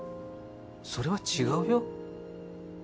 それは違うよ？